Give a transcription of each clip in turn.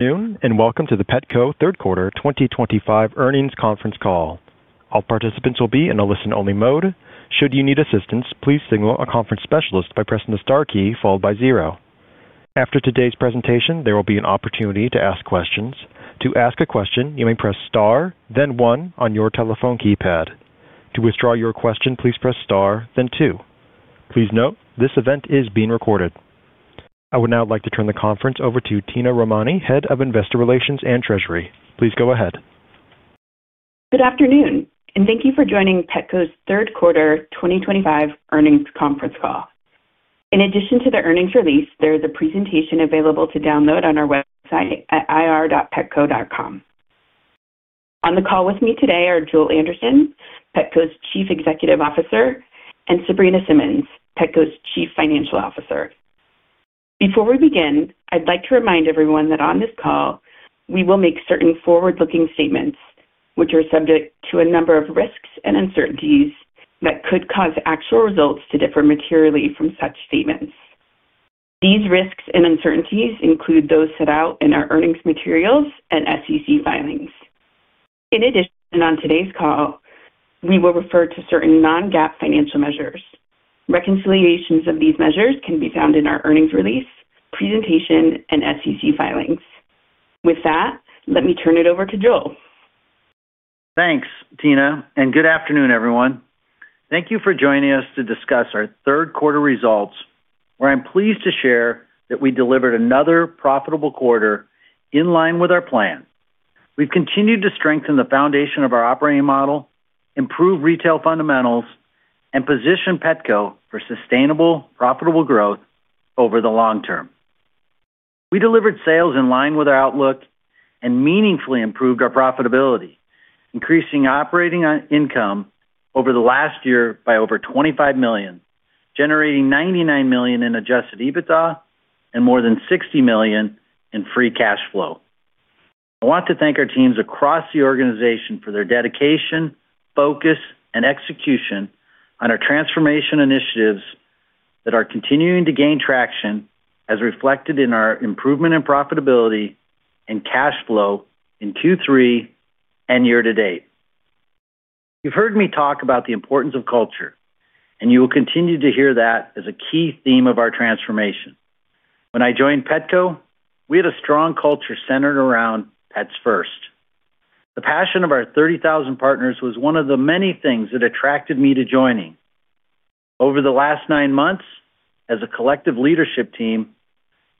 Noon, and welcome to the Petco Third Quarter 2025 Earnings Conference Call. All participants will be in a listen-only mode. Should you need assistance, please signal a conference specialist by pressing the star key followed by zero. After today's presentation, there will be an opportunity to ask questions. To ask a question, you may press star, then one on your telephone keypad. To withdraw your question, please press star, then two. Please note, this event is being recorded. I would now like to turn the conference over to Tina Romani, Head of Investor Relations and Treasury. Please go ahead. Good afternoon, and thank you for joining Petco's Third Quarter 2025 earnings conference call. In addition to the earnings release, there is a presentation available to download on our website at irpetco.com. On the call with me today are Joel Anderson, Petco's Chief Executive Officer, and Sabrina Simmons, Petco's Chief Financial Officer. Before we begin, I'd like to remind everyone that on this call, we will make certain forward-looking statements, which are subject to a number of risks and uncertainties that could cause actual results to differ materially from such statements. These risks and uncertainties include those set out in our earnings materials and SEC filings. In addition, on today's call, we will refer to certain non-GAAP financial measures. Reconciliations of these measures can be found in our earnings release, presentation, and SEC filings. With that, let me turn it over to Joel. Thanks, Tina, and good afternoon, everyone. Thank you for joining us to discuss our third quarter results, where I'm pleased to share that we delivered another profitable quarter in line with our plan. We've continued to strengthen the foundation of our operating model, improve retail fundamentals, and position Petco for sustainable, profitable growth over the long term. We delivered sales in line with our outlook and meaningfully improved our profitability, increasing operating income over the last year by over $25 million, generating $99 million in adjusted EBITDA and more than $60 million in free cash flow. I want to thank our teams across the organization for their dedication, focus, and execution on our transformation initiatives that are continuing to gain traction, as reflected in our improvement in profitability and cash flow in Q3 and year-to-date. You've heard me talk about the importance of culture, and you will continue to hear that as a key theme of our transformation. When I joined Petco, we had a strong culture centered around Pets First. The passion of our 30,000 partners was one of the many things that attracted me to joining. Over the last nine months, as a collective leadership team,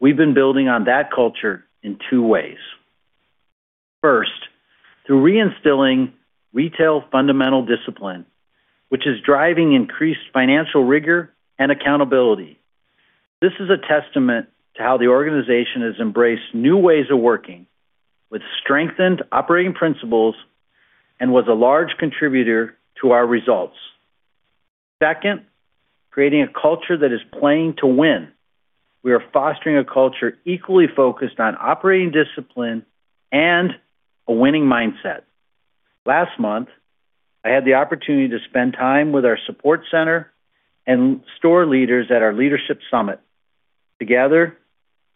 we've been building on that culture in two ways. First, through reinstilling retail fundamental discipline, which is driving increased financial rigor and accountability. This is a testament to how the organization has embraced new ways of working with strengthened operating principles and was a large contributor to our results. Second, creating a culture that is playing to win. We are fostering a culture equally focused on operating discipline and a winning mindset. Last month, I had the opportunity to spend time with our support center and store leaders at our leadership summit. Together,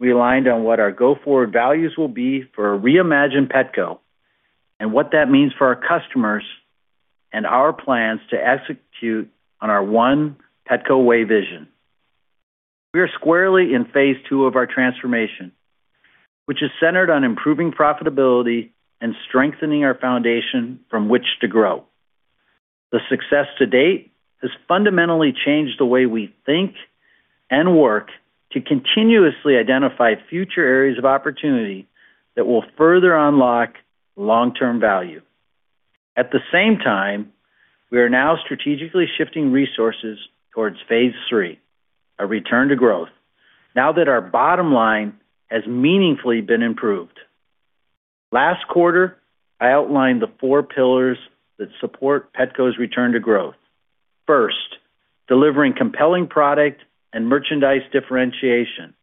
we aligned on what our go-forward values will be for a reimagined Petco and what that means for our customers and our plans to execute on our One Petco Way vision. We are squarely in phase II of our transformation, which is centered on improving profitability and strengthening our foundation from which to grow. The success to date has fundamentally changed the way we think and work to continuously identify future areas of opportunity that will further unlock long-term value. At the same time, we are now strategically shifting resources towards phase three, our return to growth, now that our bottom line has meaningfully been improved. Last quarter, I outlined the four pillars that support Petco's return to growth. First, delivering compelling product and merchandise differentiation.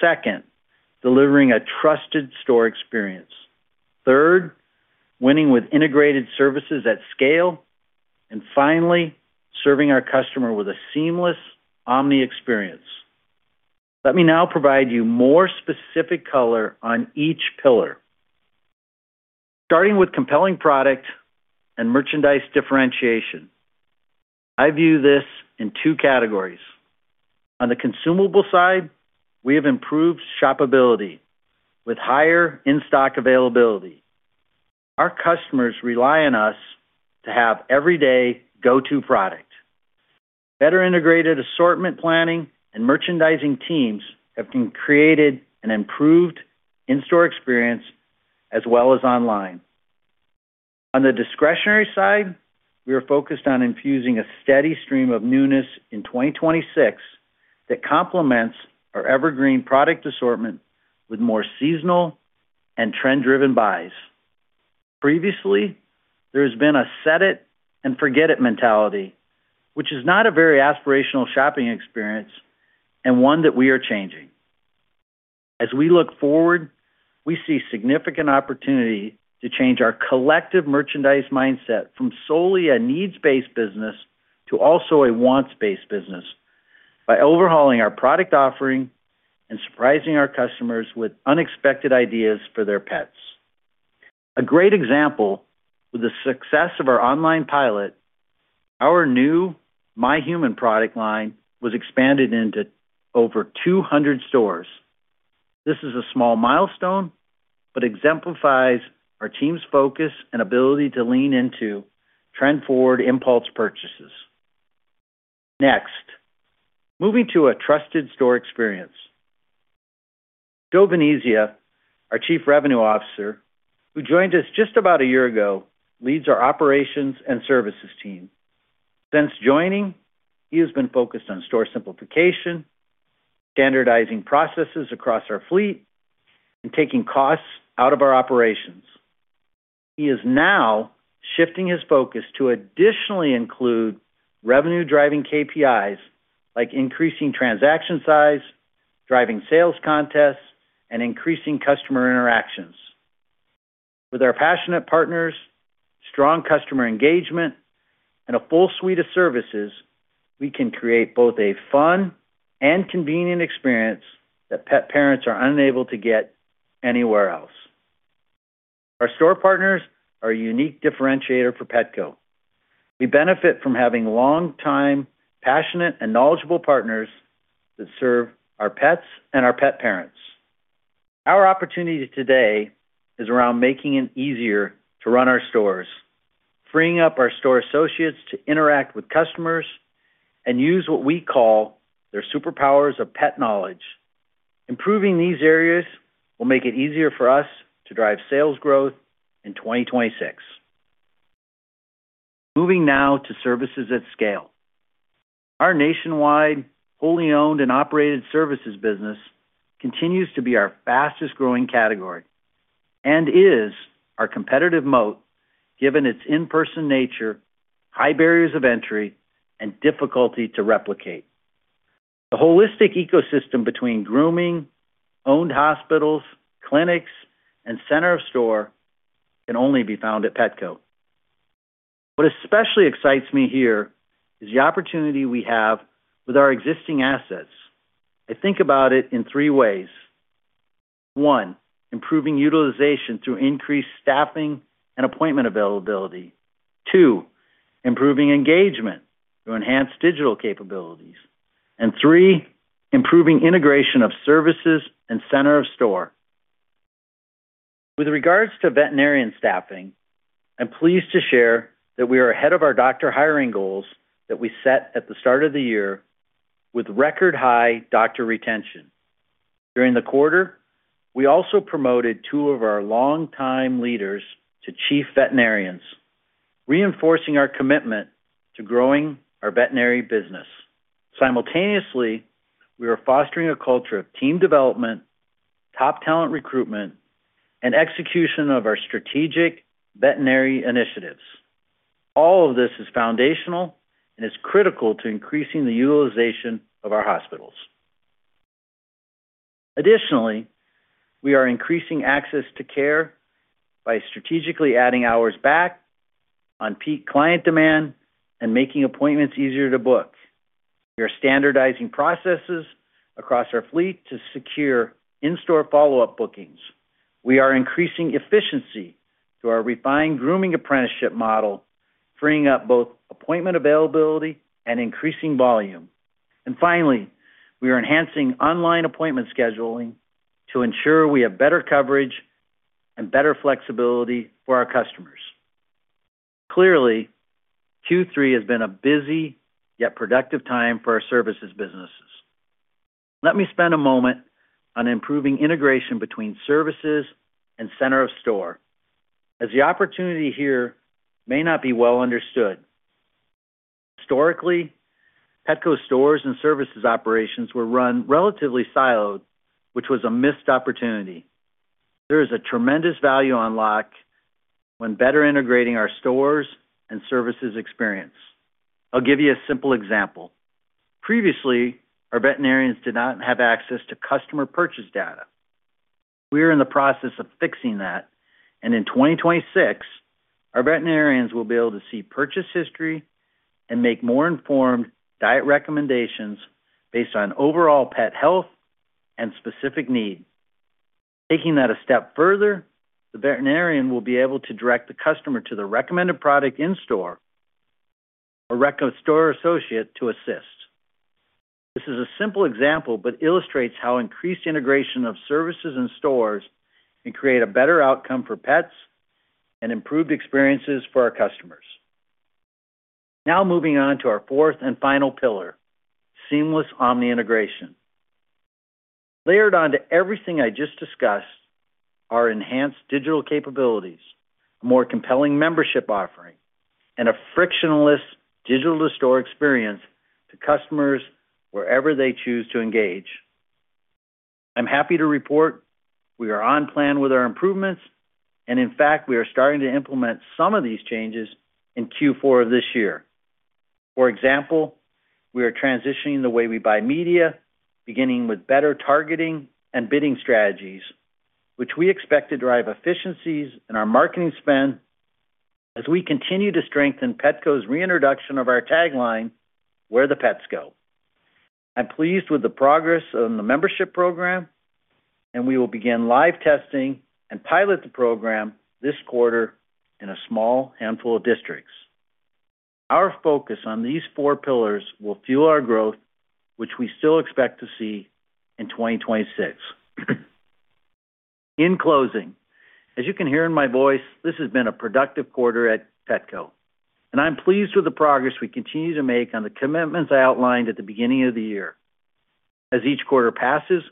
Second, delivering a trusted store experience. Third, winning with integrated services at scale. Finally, serving our customer with a seamless, omni experience. Let me now provide you more specific color on each pillar. Starting with compelling product and merchandise differentiation, I view this in two categories. On the consumable side, we have improved shoppability with higher in-stock availability. Our customers rely on us to have everyday go-to product. Better integrated assortment planning and merchandising teams have created an improved in-store experience as well as online. On the discretionary side, we are focused on infusing a steady stream of newness in 2026 that complements our evergreen product assortment with more seasonal and trend-driven buys. Previously, there has been a set-it-and-forget-it mentality, which is not a very aspirational shopping experience and one that we are changing. As we look forward, we see significant opportunity to change our collective merchandise mindset from solely a needs-based business to also a wants-based business by overhauling our product offering and surprising our customers with unexpected ideas for their pets. A great example with the success of our online pilot, our new My Human product line was expanded into over 200 stores. This is a small milestone but exemplifies our team's focus and ability to lean into trend-forward impulse purchases. Next, moving to a trusted store experience. Joe Venezia, our Chief Revenue Officer, who joined us just about a year ago, leads our operations and services team. Since joining, he has been focused on store simplification, standardizing processes across our fleet, and taking costs out of our operations. He is now shifting his focus to additionally include revenue-driving KPIs like increasing transaction size, driving sales contests, and increasing customer interactions. With our passionate partners, strong customer engagement, and a full suite of services, we can create both a fun and convenient experience that pet parents are unable to get anywhere else. Our store partners are a unique differentiator for Petco. We benefit from having long-time, passionate, and knowledgeable partners that serve our pets and our pet parents. Our opportunity today is around making it easier to run our stores, freeing up our store associates to interact with customers and use what we call their superpowers of pet knowledge. Improving these areas will make it easier for us to drive sales growth in 2026. Moving now to services at scale. Our nationwide wholly owned and operated services business continues to be our fastest-growing category and is our competitive moat given its in-person nature, high barriers of entry, and difficulty to replicate. The holistic ecosystem between grooming, owned hospitals, clinics, and center of store can only be found at Petco. What especially excites me here is the opportunity we have with our existing assets. I think about it in three ways. One, improving utilization through increased staffing and appointment availability. Two, improving engagement through enhanced digital capabilities. Three, improving integration of services and center of store. With regards to veterinarian staffing, I'm pleased to share that we are ahead of our doctor hiring goals that we set at the start of the year with record-high doctor retention. During the quarter, we also promoted two of our long-time leaders to Chief Veterinarians, reinforcing our commitment to growing our veterinary business. Simultaneously, we are fostering a culture of team development, top talent recruitment, and execution of our strategic veterinary initiatives. All of this is foundational and is critical to increasing the utilization of our hospitals. Additionally, we are increasing access to care by strategically adding hours back on peak client demand and making appointments easier to book. We are standardizing processes across our fleet to secure in-store follow-up bookings. We are increasing efficiency through our refined grooming apprenticeship model, freeing up both appointment availability and increasing volume. Finally, we are enhancing online appointment scheduling to ensure we have better coverage and better flexibility for our customers. Clearly, Q3 has been a busy yet productive time for our services businesses. Let me spend a moment on improving integration between services and center of store, as the opportunity here may not be well understood. Historically, Petco's stores and services operations were run relatively siloed, which was a missed opportunity. There is a tremendous value unlocked when better integrating our stores and services experience. I'll give you a simple example. Previously, our veterinarians did not have access to customer purchase data. We are in the process of fixing that, and in 2026, our veterinarians will be able to see purchase history and make more informed diet recommendations based on overall pet health and specific needs. Taking that a step further, the veterinarian will be able to direct the customer to the recommended product in store or recommend a store associate to assist. This is a simple example but illustrates how increased integration of services and stores can create a better outcome for pets and improved experiences for our customers. Now, moving on to our fourth and final pillar, seamless omni integration. Layered onto everything I just discussed are enhanced digital capabilities, a more compelling membership offering, and a frictionless digital store experience to customers wherever they choose to engage. I'm happy to report we are on plan with our improvements, and in fact, we are starting to implement some of these changes in Q4 of this year. For example, we are transitioning the way we buy media, beginning with better targeting and bidding strategies, which we expect to drive efficiencies in our marketing spend as we continue to strengthen Petco's reintroduction of our tagline, "Where the pets go." I'm pleased with the progress on the membership program, and we will begin live testing and pilot the program this quarter in a small handful of districts. Our focus on these four pillars will fuel our growth, which we still expect to see in 2026. In closing, as you can hear in my voice, this has been a productive quarter at Petco, and I'm pleased with the progress we continue to make on the commitments I outlined at the beginning of the year. As each quarter passes,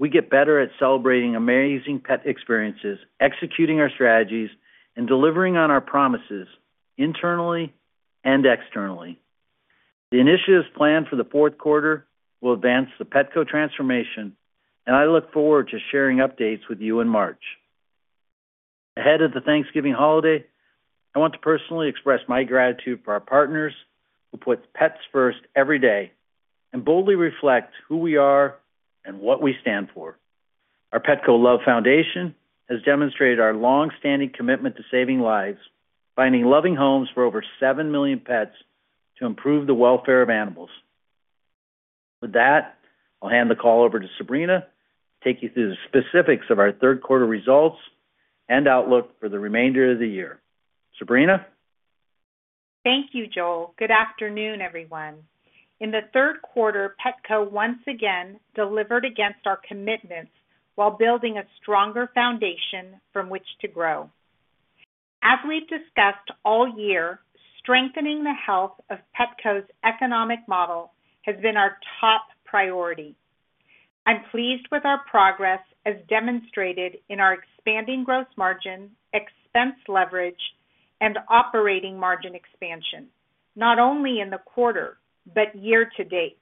we get better at celebrating amazing pet experiences, executing our strategies, and delivering on our promises internally and externally. The initiatives planned for the fourth quarter will advance the Petco transformation, and I look forward to sharing updates with you in March. Ahead of the Thanksgiving holiday, I want to personally express my gratitude for our partners who put pets first every day and boldly reflect who we are and what we stand for. Our Petco Love Foundation has demonstrated our longstanding commitment to saving lives, finding loving homes for over seven million pets to improve the welfare of animals. With that, I'll hand the call over to Sabrina to take you through the specifics of our third quarter results and outlook for the remainder of the year. Sabrina? Thank you, Joel. Good afternoon, everyone. In the third quarter, Petco once again delivered against our commitments while building a stronger foundation from which to grow. As we've discussed all year, strengthening the health of Petco's economic model has been our top priority. I'm pleased with our progress as demonstrated in our expanding gross margin, expense leverage, and operating margin expansion, not only in the quarter but year to date.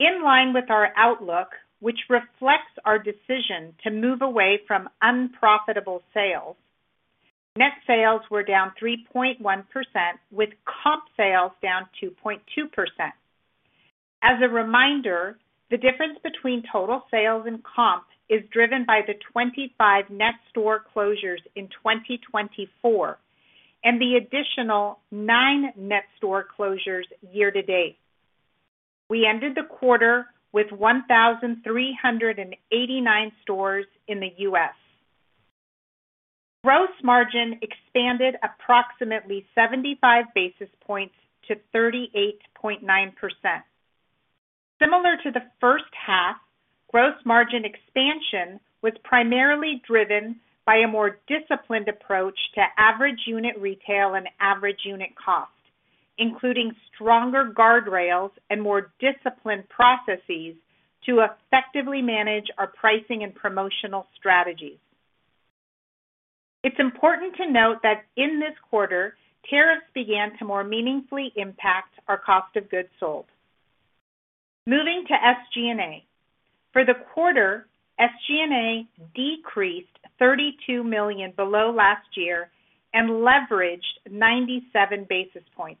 In line with our outlook, which reflects our decision to move away from unprofitable sales, net sales were down 3.1% with comp sales down 2.2%. As a reminder, the difference between total sales and comp is driven by the 25 net store closures in 2024 and the additional 9 net store closures year to date. We ended the quarter with 1,389 stores in the U.S. Gross margin expanded approximately 75 basis points to 38.9%. Similar to the first half, gross margin expansion was primarily driven by a more disciplined approach to average unit retail and average unit cost, including stronger guardrails and more disciplined processes to effectively manage our pricing and promotional strategies. It's important to note that in this quarter, tariffs began to more meaningfully impact our cost of goods sold. Moving to SG&A. For the quarter, SG&A decreased $32 million below last year and leveraged 97 basis points.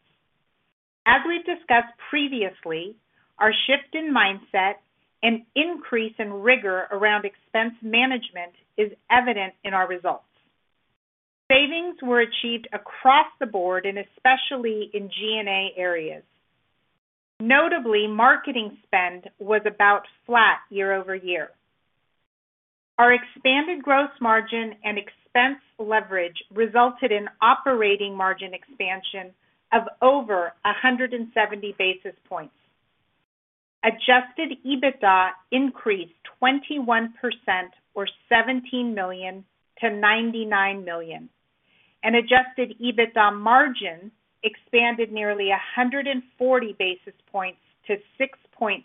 As we've discussed previously, our shift in mindset and increase in rigor around expense management is evident in our results. Savings were achieved across the board and especially in G&A areas. Notably, marketing spend was about flat year over year. Our expanded gross margin and expense leverage resulted in operating margin expansion of over 170 basis points. Adjusted EBITDA increased 21% or $17 million to $99 million, and adjusted EBITDA margin expanded nearly 140 basis points to 6.7%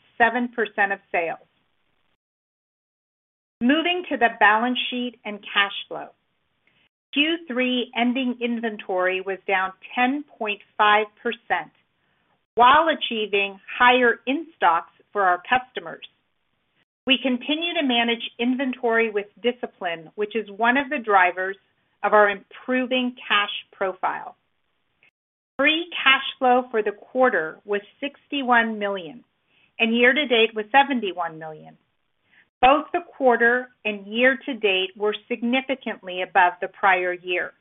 of sales. Moving to the balance sheet and cash flow. Q3 ending inventory was down 10.5% while achieving higher in-stocks for our customers. We continue to manage inventory with discipline, which is one of the drivers of our improving cash profile. Free cash flow for the quarter was $61 million, and year to date was $71 million. Both the quarter and year-to-date were significantly above the prior year.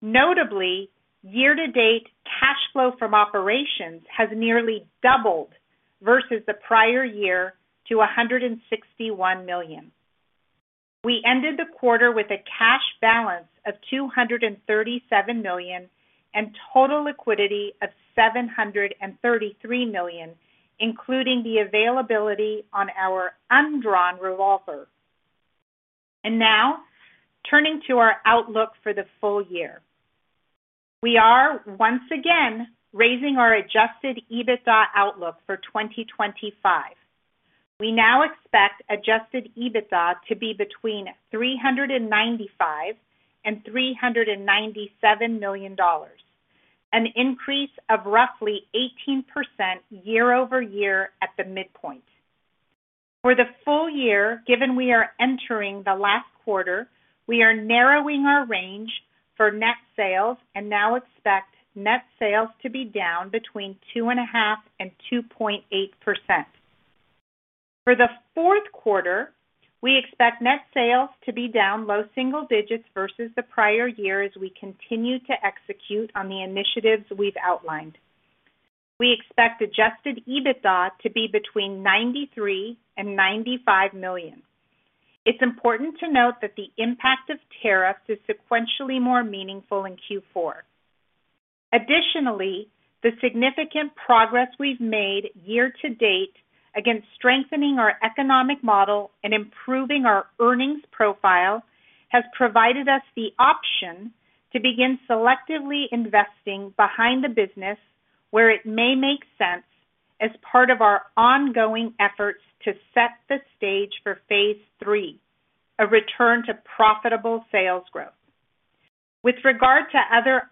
Notably, year-to-date, cash flow from operations has nearly doubled versus the prior year to $161 million. We ended the quarter with a cash balance of $237 million and total liquidity of $733 million, including the availability on our undrawn revolver. Now, turning to our outlook for the full year. We are once again raising our adjusted EBITDA outlook for 2025. We now expect adjusted EBITDA to be between $395 million and $397 million, an increase of roughly 18% year-over-year at the midpoint. For the full year, given we are entering the last quarter, we are narrowing our range for net sales and now expect net sales to be down between 2.5% and 2.8%. For the fourth quarter, we expect net sales to be down low single digits versus the prior year as we continue to execute on the initiatives we have outlined. We expect adjusted EBITDA to be between $93 million and $95 million. It's important to note that the impact of tariffs is sequentially more meaningful in Q4. Additionally, the significant progress we've made year-to-date against strengthening our economic model and improving our earnings profile has provided us the option to begin selectively investing behind the business where it may make sense as part of our ongoing efforts to set the stage for phase three, a return to profitable sales growth. With regard to other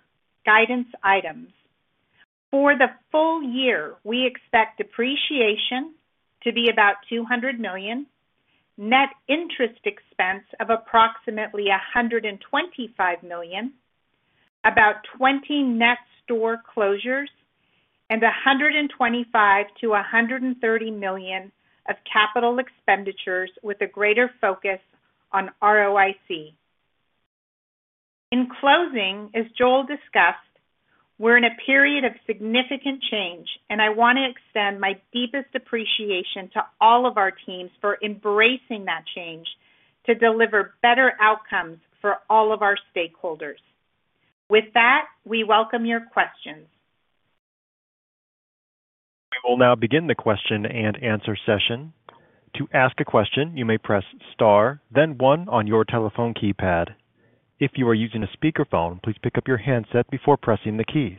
guidance items, for the full year, we expect depreciation to be about $200 million, net interest expense of approximately $125 million, about 20 net store closures, and $125-$130 million of capital expenditures with a greater focus on ROIC. In closing, as Joel discussed, we're in a period of significant change, and I want to extend my deepest appreciation to all of our teams for embracing that change to deliver better outcomes for all of our stakeholders. With that, we welcome your questions. We will now begin the question and answer session. To ask a question, you may press star, then one on your telephone keypad. If you are using a speakerphone, please pick up your handset before pressing the keys.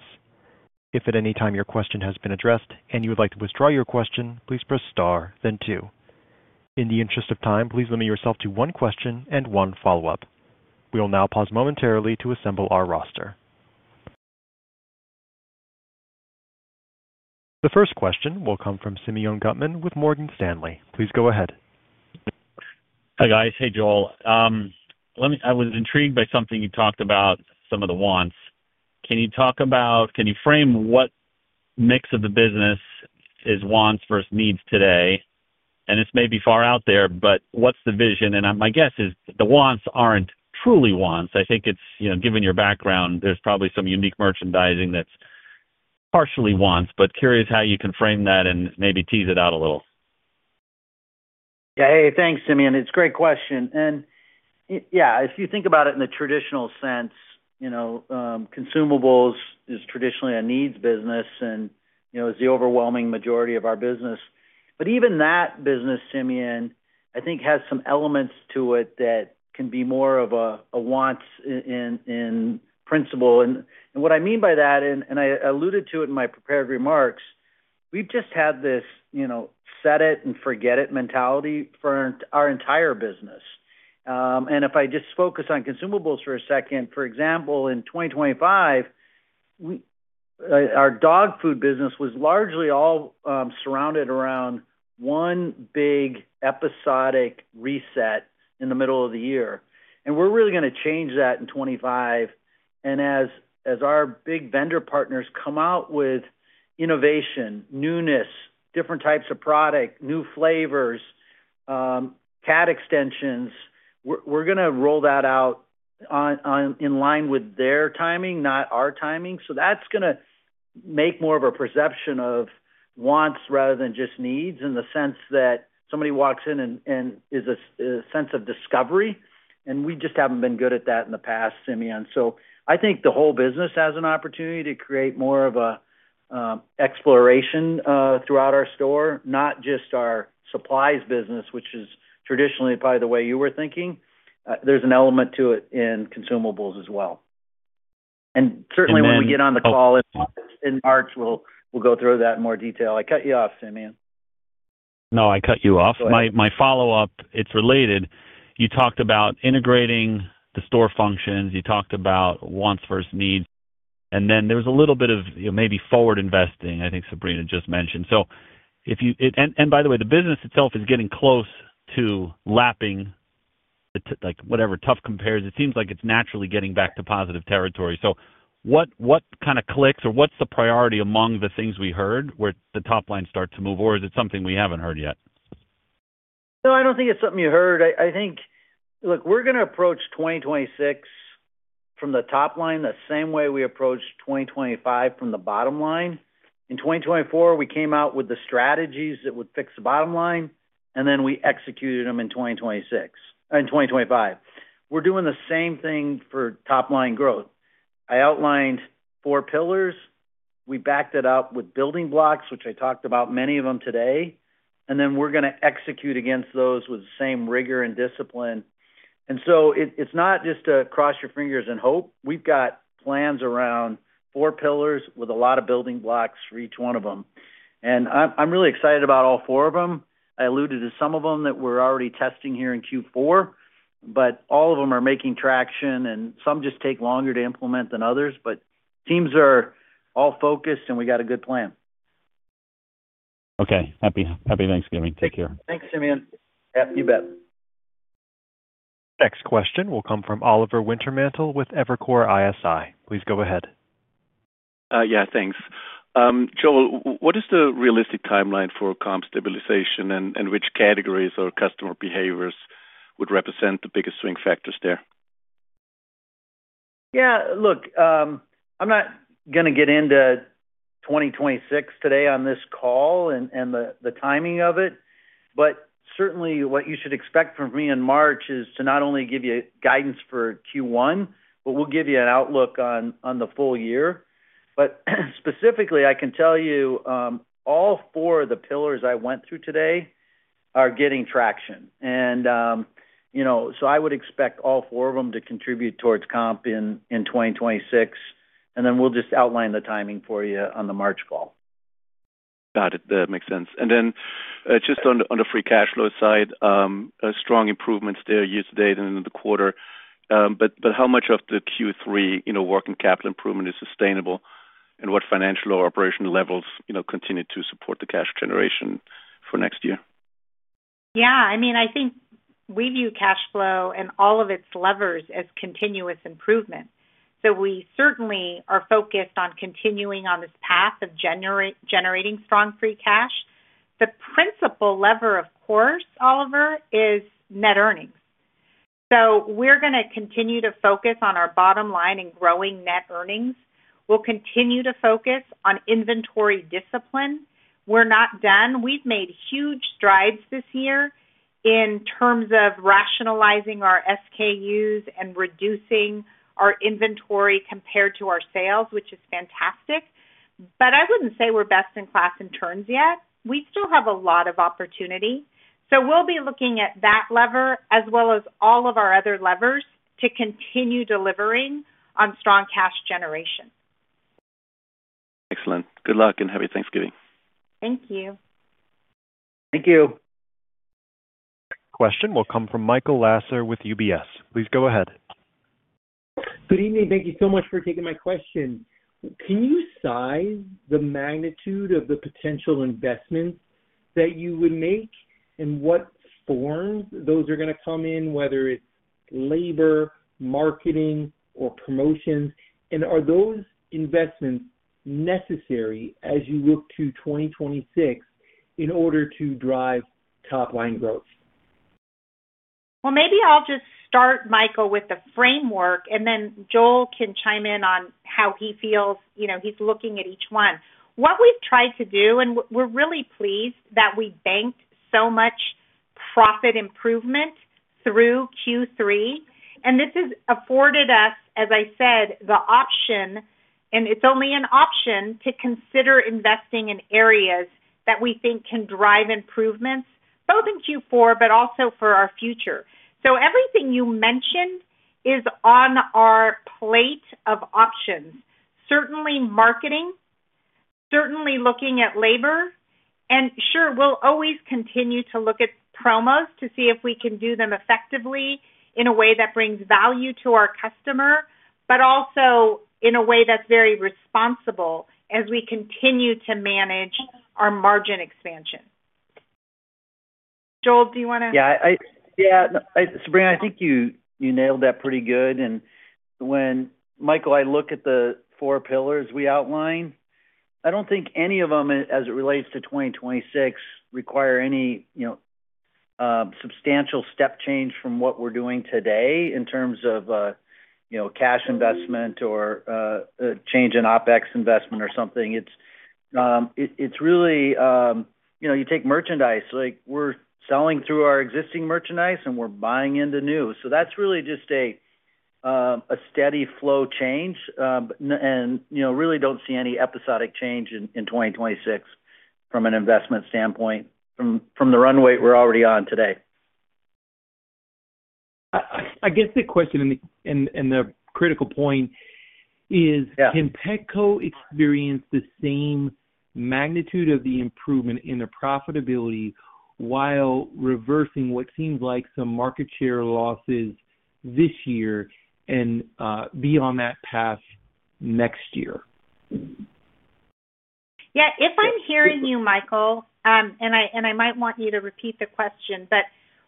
If at any time your question has been addressed and you would like to withdraw your question, please press star, then two. In the interest of time, please limit yourself to one question and one follow-up. We will now pause momentarily to assemble our roster. The first question will come from Simeon Gutman with Morgan Stanley. Please go ahead. Hi guys. Hey, Joel. I was intrigued by something you talked about, some of the wants. Can you talk about, can you frame what mix of the business is wants versus needs today? This may be far out there, but what is the vision? My guess is the wants are not truly wants. I think it is, given your background, there is probably some unique merchandising that is partially wants, but curious how you can frame that and maybe tease it out a little. Yeah. Hey, thanks, Simeon. It is a great question. Yeah, if you think about it in the traditional sense, consumables is traditionally a needs business and is the overwhelming majority of our business. Even that business, Simeon, I think has some elements to it that can be more of a wants in principle. What I mean by that, and I alluded to it in my prepared remarks, we've just had this set it and forget it mentality for our entire business. If I just focus on consumables for a second, for example, in 2025, our dog food business was largely all surrounded around one big episodic reset in the middle of the year. We are really going to change that in 2025. As our big vendor partners come out with innovation, newness, different types of product, new flavors, cat extensions, we are going to roll that out in line with their timing, not our timing. That is going to make more of a perception of wants rather than just needs in the sense that somebody walks in and is a sense of discovery, and we just have not been good at that in the past, Simeon. I think the whole business has an opportunity to create more of an exploration throughout our store, not just our supplies business, which is traditionally probably the way you were thinking. There's an element to it in consumables as well. Certainly when we get on the call in March, we'll go through that in more detail. I cut you off, Simeon. No, I cut you off. My follow-up, it's related. You talked about integrating the store functions. You talked about wants versus needs. Then there was a little bit of maybe forward investing, I think Sabrina just mentioned. By the way, the business itself is getting close to lapping whatever tough compares. It seems like it's naturally getting back to positive territory. What kind of clicks or what's the priority among the things we heard where the top line starts to move, or is it something we haven't heard yet? No, I don't think it's something you heard. I think, look, we're going to approach 2026 from the top line the same way we approached 2025 from the bottom line. In 2024, we came out with the strategies that would fix the bottom line, and then we executed them in 2025. We're doing the same thing for top line growth. I outlined four pillars. We backed it up with building blocks, which I talked about many of them today. We're going to execute against those with the same rigor and discipline. It's not just a cross your fingers and hope. We've got plans around four pillars with a lot of building blocks for each one of them. I'm really excited about all four of them. I alluded to some of them that we're already testing here in Q4, but all of them are making traction, and some just take longer to implement than others. Teams are all focused, and we got a good plan. Okay. Happy Thanksgiving. Take care. Thanks, Simeon. You bet. Next question will come from Oliver Wintermantel with Evercore ISI. Please go ahead. Yeah, thanks. Joel, what is the realistic timeline for comp stabilization, and which categories or customer behaviors would represent the biggest swing factors there? Yeah. Look, I'm not going to get into 2026 today on this call and the timing of it, but certainly what you should expect from me in March is to not only give you guidance for Q1, but we'll give you an outlook on the full year. Specifically, I can tell you all four of the pillars I went through today are getting traction. I would expect all four of them to contribute towards comp in 2026. We will outline the timing for you on the March call. Got it. That makes sense. Just on the free cash flow side, strong improvements there year to date and into the quarter. How much of the Q3 working capital improvement is sustainable, and what financial or operational levels continue to support the cash generation for next year? Yeah. I mean, I think we view cash flow and all of its levers as continuous improvement. We certainly are focused on continuing on this path of generating strong free cash. The principal lever, of course, Oliver, is net earnings. We're going to continue to focus on our bottom line and growing net earnings. We'll continue to focus on inventory discipline. We're not done. We've made huge strides this year in terms of rationalizing our SKUs and reducing our inventory compared to our sales, which is fantastic. I wouldn't say we're best in class in terms yet. We still have a lot of opportunity. We'll be looking at that lever as well as all of our other levers to continue delivering on strong cash generation. Excellent. Good luck and happy Thanksgiving. Thank you. Thank you. Next question will come from Michael Lasser with UBS. Please go ahead. Good evening. Thank you so much for taking my question. Can you size the magnitude of the potential investments that you would make and what forms those are going to come in, whether it's labor, marketing, or promotions? Are those investments necessary as you look to 2026 in order to drive top line growth? I will just start, Michael, with the framework, and then Joel can chime in on how he feels. He is looking at each one. What we have tried to do, and we are really pleased that we banked so much profit improvement through Q3. This has afforded us, as I said, the option, and it is only an option, to consider investing in areas that we think can drive improvements, both in Q4 but also for our future. Everything you mentioned is on our plate of options. Certainly marketing, certainly looking at labor. Sure, we'll always continue to look at promos to see if we can do them effectively in a way that brings value to our customer, but also in a way that's very responsible as we continue to manage our margin expansion. Joel, do you want to? Yeah. Sabrina, I think you nailed that pretty good. And when Michael, I look at the four pillars we outlined, I don't think any of them, as it relates to 2026, require any substantial step change from what we're doing today in terms of cash investment or change in OpEx investment or something. It's really you take merchandise. We're selling through our existing merchandise, and we're buying into new. So that's really just a steady flow change. And really don't see any episodic change in 2026 from an investment standpoint, from the runway we're already on today. I guess the question and the critical point is, can Petco experience the same magnitude of the improvement in their profitability while reversing what seems like some market share losses this year and be on that path next year? Yeah. If I'm hearing you, Michael, and I might want you to repeat the question, but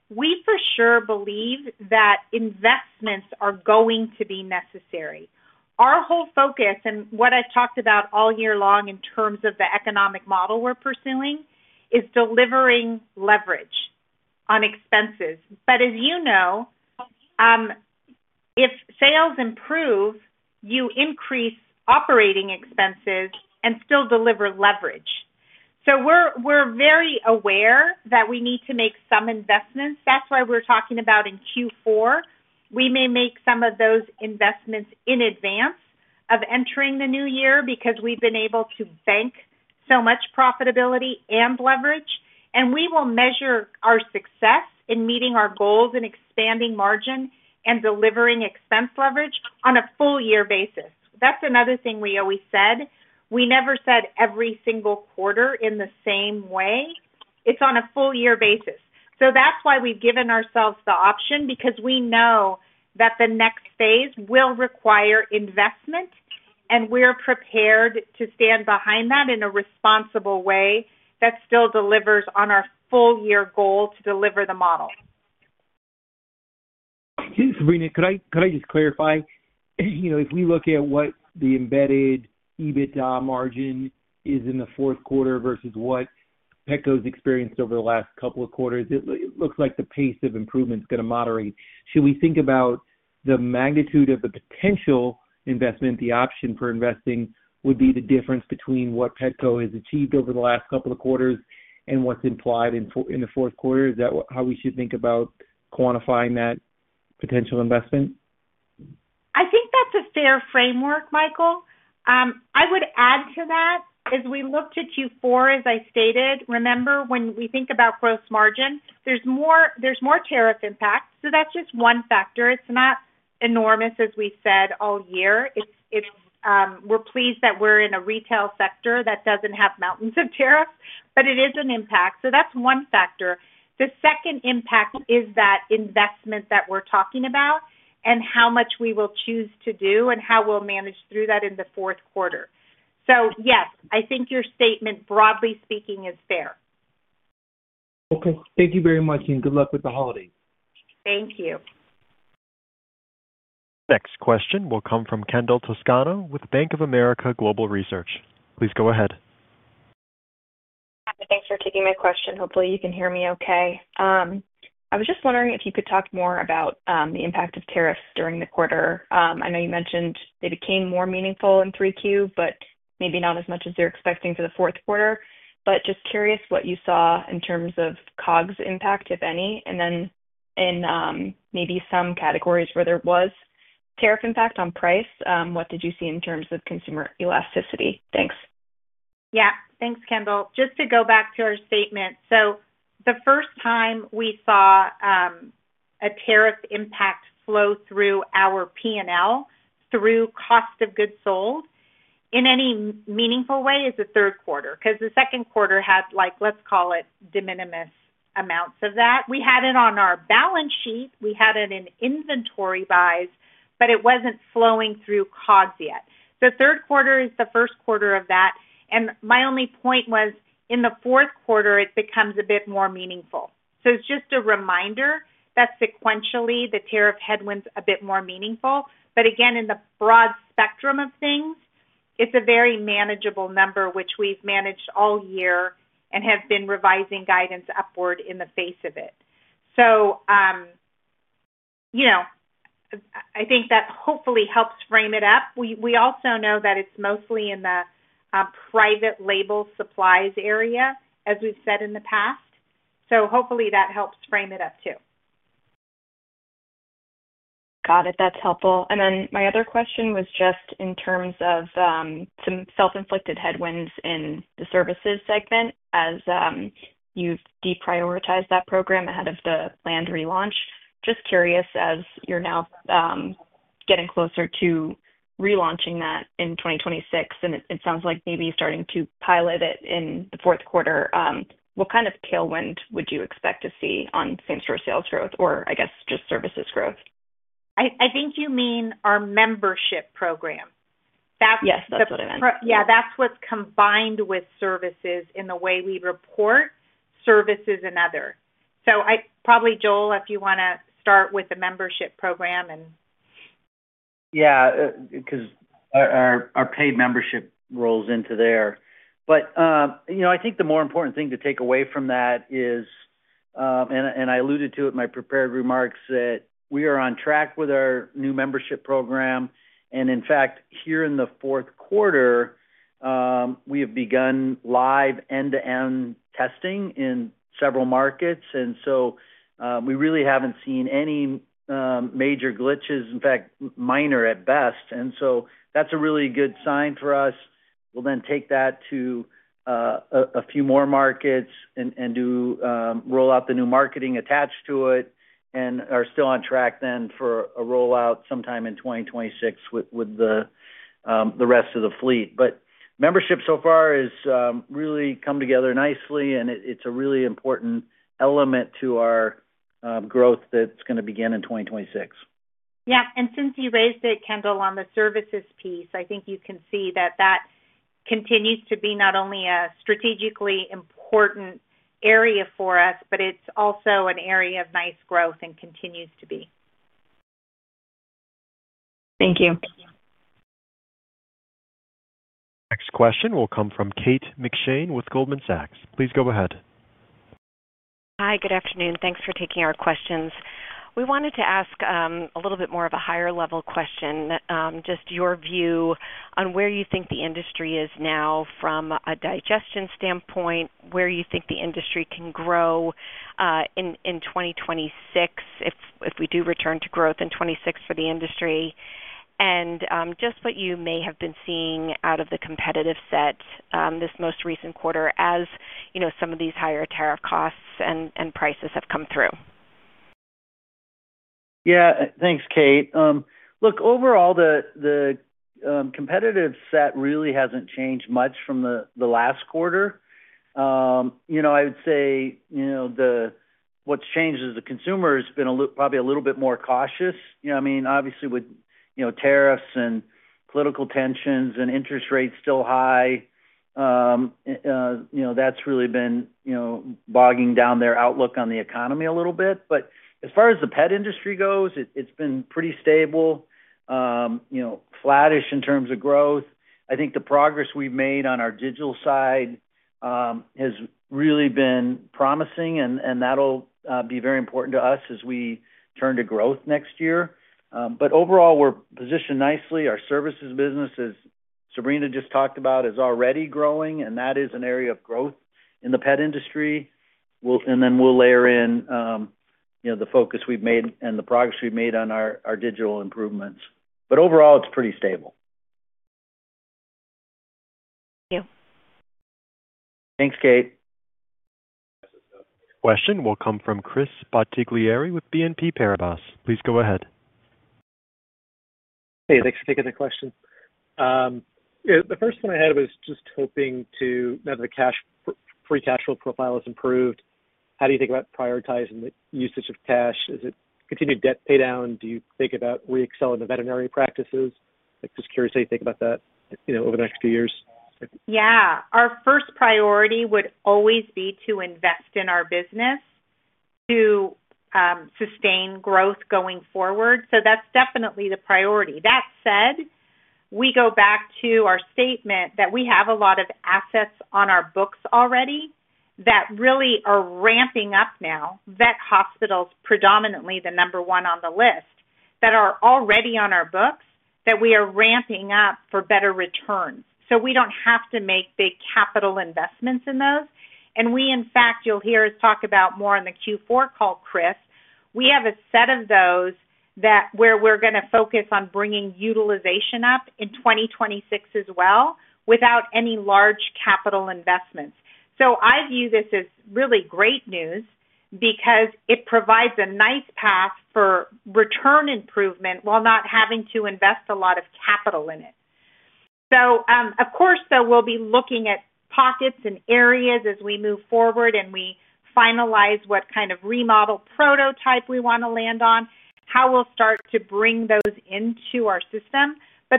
we for sure believe that investments are going to be necessary. Our whole focus, and what I've talked about all year long in terms of the economic model we're pursuing, is delivering leverage on expenses. As you know, if sales improve, you increase operating expenses and still deliver leverage. We are very aware that we need to make some investments. That is why we're talking about in Q4, we may make some of those investments in advance of entering the new year because we've been able to bank so much profitability and leverage. We will measure our success in meeting our goals and expanding margin and delivering expense leverage on a full year basis. That is another thing we always said. We never said every single quarter in the same way. It is on a full year basis. That is why we have given ourselves the option because we know that the next phase will require investment, and we are prepared to stand behind that in a responsible way that still delivers on our full year goal to deliver the model. Sabrina, could I just clarify? If we look at what the embedded EBITDA margin is in the fourth quarter versus what Petco has experienced over the last couple of quarters, it looks like the pace of improvement is going to moderate. Should we think about the magnitude of the potential investment, the option for investing would be the difference between what Petco has achieved over the last couple of quarters and what's implied in the fourth quarter. Is that how we should think about quantifying that potential investment? I think that's a fair framework, Michael. I would add to that, as we looked at Q4, as I stated, remember when we think about gross margin, there's more tariff impact. That's just one factor. It's not enormous, as we said, all year. We're pleased that we're in a retail sector that doesn't have mountains of tariffs, but it is an impact. That's one factor. The second impact is that investment that we're talking about and how much we will choose to do and how we'll manage through that in the fourth quarter. Yes, I think your statement, broadly speaking, is fair. Okay. Thank you very much, and good luck with the holidays. Thank you. Next question will come from Kendall Toscano with Bank of America Global Research. Please go ahead. Hi, thanks for taking my question. Hopefully, you can hear me okay. I was just wondering if you could talk more about the impact of tariffs during the quarter. I know you mentioned they became more meaningful in Q3, but maybe not as much as you're expecting for the fourth quarter. Just curious what you saw in terms of COGS impact, if any, and then in maybe some categories where there was tariff impact on price. What did you see in terms of consumer elasticity? Thanks. Yeah. Thanks, Kendall. Just to go back to our statement, the first time we saw a tariff impact flow through our P&L, through cost of goods sold, in any meaningful way, is the third quarter because the second quarter had, let's call it, de minimis amounts of that. We had it on our balance sheet. We had it in inventory bias, but it was not flowing through COGS yet. Third quarter is the first quarter of that. My only point was, in the fourth quarter, it becomes a bit more meaningful. It is just a reminder that sequentially, the tariff headwinds are a bit more meaningful. Again, in the broad spectrum of things, it is a very manageable number, which we have managed all year and have been revising guidance upward in the face of it. I think that hopefully helps frame it up. We also know that it is mostly in the private label supplies area, as we have said in the past. Hopefully, that helps frame it up too. Got it. That is helpful. My other question was just in terms of some self-inflicted headwinds in the services segment as you have deprioritized that program ahead of the planned relaunch. Just curious, as you are now getting closer to relaunching that in 2026, and it sounds like maybe starting to pilot it in the fourth quarter, what kind of tailwind would you expect to see on same-store sales growth or, I guess, just services growth? I think you mean our membership program. That is what it meant. Yes. That is what is combined with services in the way we report services and other. Probably, Joel, if you want to start with the membership program. Yes. Because our paid membership rolls into there. I think the more important thing to take away from that is, and I alluded to it in my prepared remarks, that we are on track with our new membership program. In fact, here in the fourth quarter, we have begun live end-to-end testing in several markets. We really have not seen any major glitches, in fact, minor at best. That is a really good sign for us. We will then take that to a few more markets and roll out the new marketing attached to it and are still on track for a rollout sometime in 2026 with the rest of the fleet. Membership so far has really come together nicely, and it is a really important element to our growth that is going to begin in 2026. Yeah. Since you raised it, Kendall, on the services piece, I think you can see that that continues to be not only a strategically important area for us, but it's also an area of nice growth and continues to be. Thank you. Next question will come from Kate McShane with Goldman Sachs. Please go ahead. Hi. Good afternoon. Thanks for taking our questions. We wanted to ask a little bit more of a higher-level question, just your view on where you think the industry is now from a digestion standpoint, where you think the industry can grow in 2026 if we do return to growth in 2026 for the industry, and just what you may have been seeing out of the competitive set this most recent quarter as some of these higher tariff costs and prices have come through. Yeah. Thanks, Kate. Look, overall, the competitive set really has not changed much from the last quarter. I would say what has changed is the consumer has been probably a little bit more cautious. I mean, obviously, with tariffs and political tensions and interest rates still high, that has really been bogging down their outlook on the economy a little bit. As far as the pet industry goes, it has been pretty stable, flattish in terms of growth. I think the progress we have made on our digital side has really been promising, and that will be very important to us as we turn to growth next year. Overall, we are positioned nicely. Our services business, as Sabrina just talked about, is already growing, and that is an area of growth in the pet industry. We will layer in the focus we have made and the progress we have made on our digital improvements. Overall, it is pretty stable. Thank you. Thanks, Kate. Next question will come from Chris Bottiglieri with BNP Paribas. Please go ahead. Hey, thanks for taking the question. The first one I had was just hoping to know that the free cash flow profile has improved. How do you think about prioritizing the usage of cash? Is it continued debt paydown? Do you think about re-excelling in the veterinary practices? Just curious how you think about that over the next few years. Yeah. Our first priority would always be to invest in our business to sustain growth going forward. That is definitely the priority. That said, we go back to our statement that we have a lot of assets on our books already that really are ramping up now. Vet hospitals, predominantly the number one on the list, that are already on our books, that we are ramping up for better returns. We do not have to make big capital investments in those. In fact, you will hear us talk about more in the Q4 call, Chris. We have a set of those where we are going to focus on bringing utilization up in 2026 as well without any large capital investments. I view this as really great news because it provides a nice path for return improvement while not having to invest a lot of capital in it. Of course, though, we will be looking at pockets and areas as we move forward, and we finalize what kind of remodel prototype we want to land on, how we will start to bring those into our system.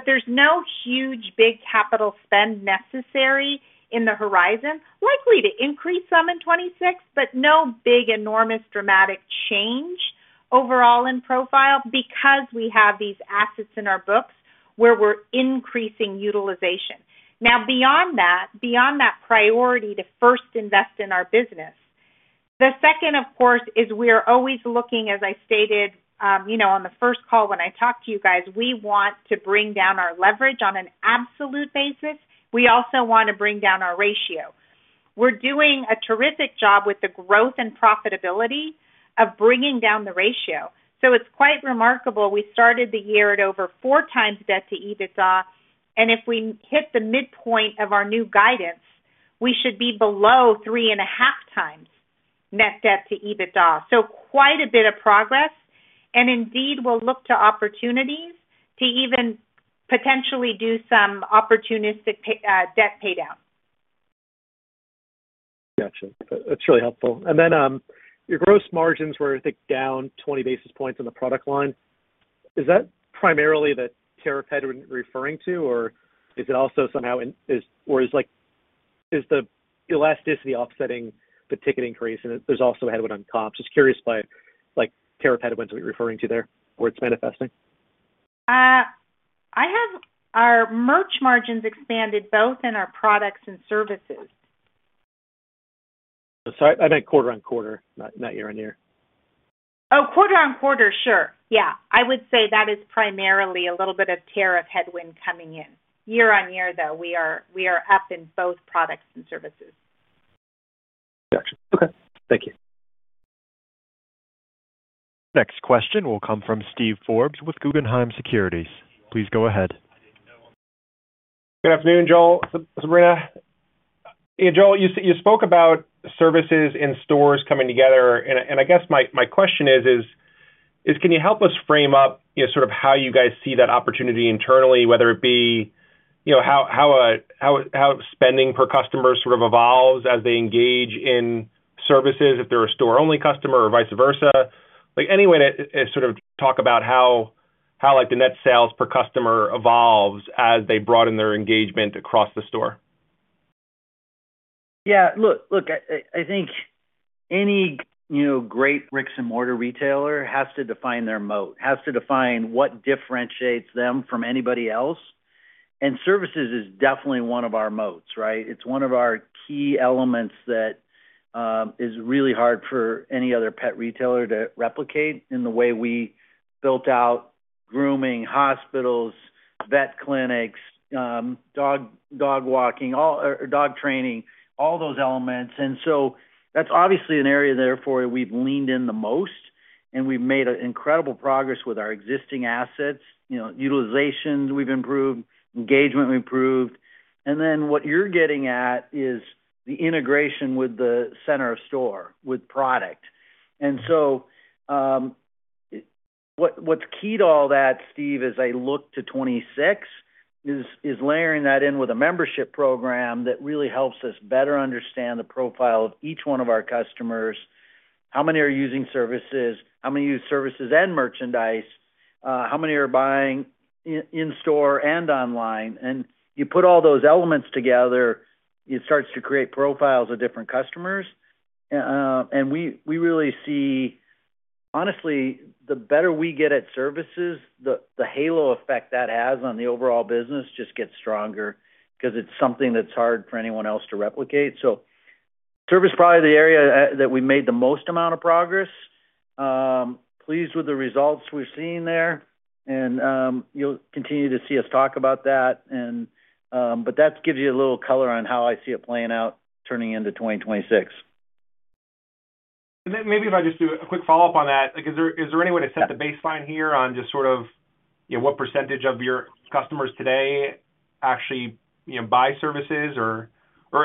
There is no huge big capital spend necessary in the horizon, likely to increase some in 2026, but no big, enormous, dramatic change overall in profile because we have these assets in our books where we are increasing utilization. Now, beyond that, beyond that priority to first invest in our business, the second, of course, is we are always looking, as I stated on the first call when I talked to you guys, we want to bring down our leverage on an absolute basis. We also want to bring down our ratio. We are doing a terrific job with the growth and profitability of bringing down the ratio. It is quite remarkable. We started the year at over four times debt to EBITDA, and if we hit the midpoint of our new guidance, we should be below three and a half times net debt to EBITDA. Quite a bit of progress. Indeed, we'll look to opportunities to even potentially do some opportunistic debt paydown. Gotcha. That's really helpful. Your gross margins were, I think, down 20 basis points on the product line. Is that primarily the tariff headwind referring to, or is it also somehow or is the elasticity offsetting the ticket increase, and there's also a headwind on comps? Just curious about tariff headwinds we're referring to there or it's manifesting. Our merch margins expanded both in our products and services. Sorry. I meant quarter-on-quarter, not year-on-year. Oh, quarter-on-quarter, sure. Yeah. I would say that is primarily a little bit of tariff headwind coming in. Year-on-year, though, we are up in both products and services. Gotcha. Okay. Thank you. Next question will come from Steve Forbes with Guggenheim Securities. Please go ahead. Good afternoon, Joel. Sabrina. Joel, you spoke about services and stores coming together. I guess my question is, can you help us frame up sort of how you guys see that opportunity internally, whether it be how spending per customer sort of evolves as they engage in services, if they're a store-only customer or vice versa? Any way to sort of talk about how the net sales per customer evolves as they broaden their engagement across the store? Yeah. Look, I think any great bricks-and-mortar retailer has to define their moat, has to define what differentiates them from anybody else. Services is definitely one of our moats, right? It's one of our key elements that is really hard for any other pet retailer to replicate in the way we built out grooming, hospitals, vet clinics, dog walking, dog training, all those elements. That is obviously an area therefore we have leaned in the most, and we have made incredible progress with our existing assets. Utilization, we have improved. Engagement, we have improved. What you are getting at is the integration with the center of store, with product. What is key to all that, Steve, as I look to 2026, is layering that in with a membership program that really helps us better understand the profile of each one of our customers. How many are using services? How many use services and merchandise? How many are buying in-store and online? You put all those elements together, it starts to create profiles of different customers. We really see, honestly, the better we get at services, the halo effect that has on the overall business just gets stronger because it is something that is hard for anyone else to replicate. Service is probably the area that we made the most amount of progress. Pleased with the results we're seeing there. You'll continue to see us talk about that. That gives you a little color on how I see it playing out turning into 2026. Maybe if I just do a quick follow-up on that, is there any way to set the baseline here on just sort of what percentage of your customers today actually buy services or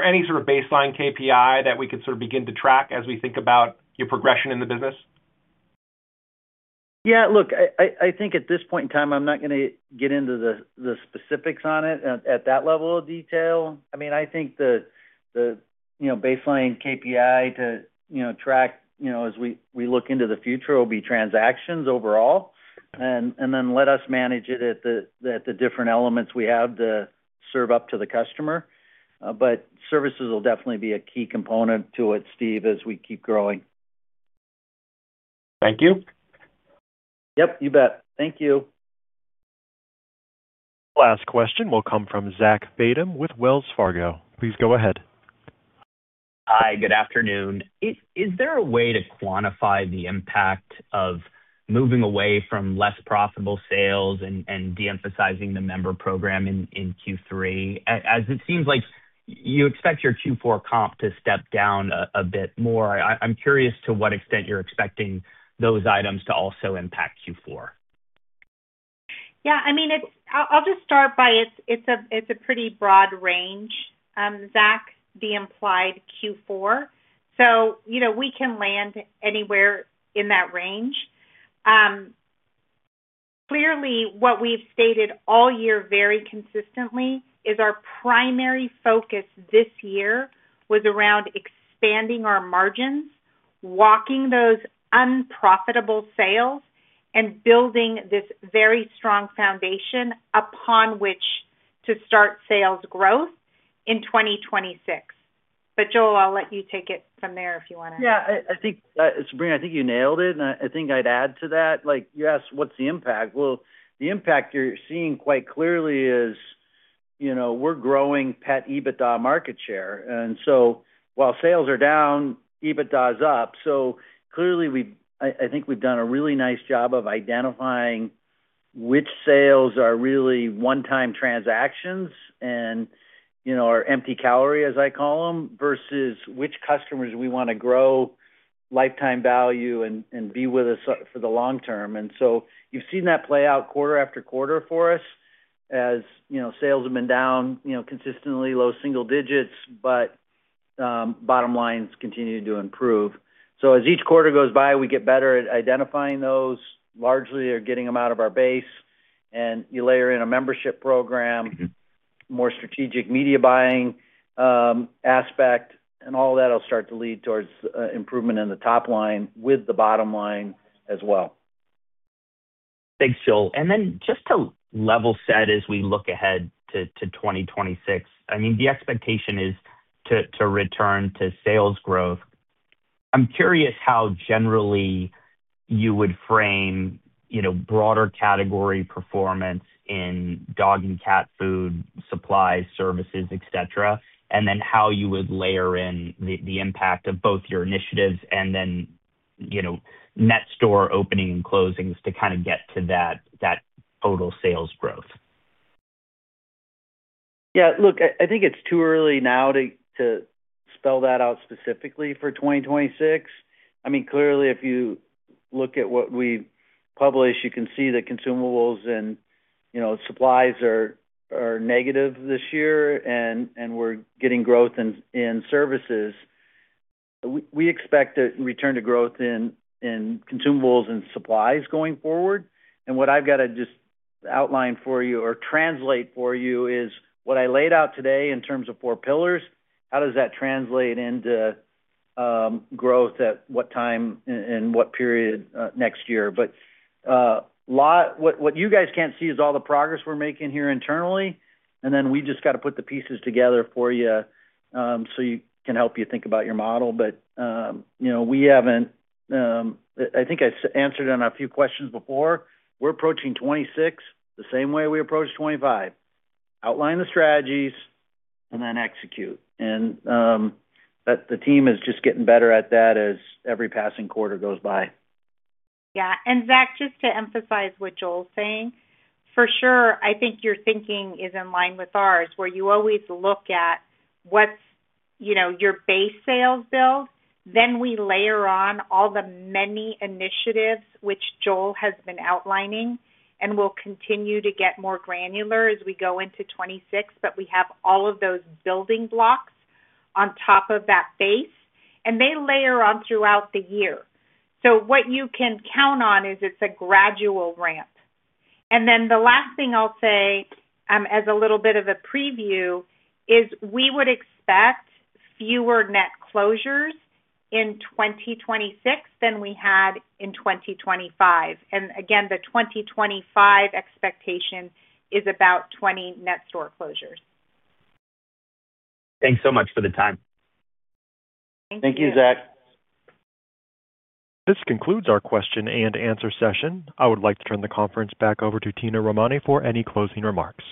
any sort of baseline KPI that we could sort of begin to track as we think about your progression in the business? Yeah. Look, I think at this point in time, I'm not going to get into the specifics on it at that level of detail. I mean, I think the baseline KPI to track as we look into the future will be transactions overall, and then let us manage it at the different elements we have to serve up to the customer. But services will definitely be a key component to it, Steve, as we keep growing. Thank you. Yep. You bet. Thank you. Last question will come from Zach Fadem with Wells Fargo. Please go ahead. Hi. Good afternoon. Is there a way to quantify the impact of moving away from less profitable sales and de-emphasizing the member program in Q3? As it seems like you expect your Q4 comp to step down a bit more. I'm curious to what extent you're expecting those items to also impact Q4. Yeah. I mean, I'll just start by it's a pretty broad range, Zach, the implied Q4. So we can land anywhere in that range. Clearly, what we've stated all year very consistently is our primary focus this year was around expanding our margins, walking those unprofitable sales, and building this very strong foundation upon which to start sales growth in 2026. Joel, I'll let you take it from there if you want to. Yeah. Sabrina, I think you nailed it. I think I'd add to that. You asked, what's the impact? The impact you're seeing quite clearly is we're growing pet EBITDA market share. While sales are down, EBITDA is up. Clearly, I think we've done a really nice job of identifying which sales are really one-time transactions and are empty calorie, as I call them, versus which customers we want to grow lifetime value and be with us for the long term. You have seen that play out quarter after quarter for us as sales have been down consistently, low single digits, but bottom lines continue to improve. As each quarter goes by, we get better at identifying those, largely or getting them out of our base. You layer in a membership program, more strategic media buying aspect, and all of that will start to lead towards improvement in the top line with the bottom line as well. Thanks, Joel. And then just to level set as we look ahead to 2026, I mean, the expectation is to return to sales growth. I am curious how generally you would frame broader category performance in dog and cat food, supplies, services, etc., and then how you would layer in the impact of both your initiatives and then net store opening and closings to kind of get to that total sales growth. Yeah. Look, I think it's too early now to spell that out specifically for 2026. I mean, clearly, if you look at what we publish, you can see that consumables and supplies are negative this year, and we're getting growth in services. We expect a return to growth in consumables and supplies going forward. What I've got to just outline for you or translate for you is what I laid out today in terms of four pillars, how does that translate into growth at what time and what period next year. What you guys can't see is all the progress we're making here internally, and then we just got to put the pieces together for you so we can help you think about your model. We haven't—I think I answered on a few questions before. We're approaching 2026 the same way we approached 2025. Outline the strategies and then execute. The team is just getting better at that as every passing quarter goes by. Yeah. Zach, just to emphasize what Joel's saying, for sure, I think your thinking is in line with ours where you always look at what's your base sales build. Then we layer on all the many initiatives which Joel has been outlining and will continue to get more granular as we go into 2026, but we have all of those building blocks on top of that base, and they layer on throughout the year. What you can count on is it's a gradual ramp. The last thing I'll say as a little bit of a preview is we would expect fewer net closures in 2026 than we had in 2025. The 2025 expectation is about 20 net store closures. Thanks so much for the time. Thank you, Zach. This concludes our question and answer session. I would like to turn the conference back over to Tina Romani for any closing remarks.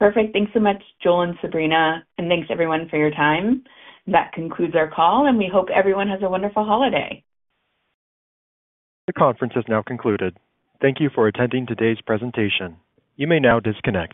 Perfect. Thanks so much, Joel and Sabrina. Thanks, everyone, for your time. That concludes our call, and we hope everyone has a wonderful holiday. The conference has now concluded. Thank you for attending today's presentation. You may now disconnect.